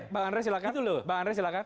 pak rai silakan